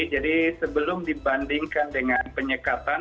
jadi sebelum dibandingkan dengan penyekatan